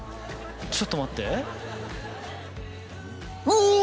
ちょっと待ってうわ！